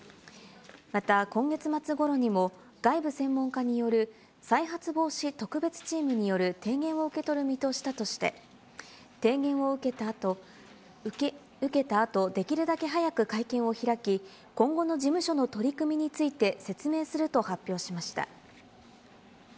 また今月末ごろにも、外部専門家による再発防止特別チームによる提言を受け取る見通しだとして、提言を受けたあと、できるだけ早く会見を開き、今後の事務所の取り組みについて説明すると発表しました。